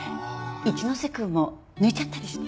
一ノ瀬くんも抜いちゃったりして。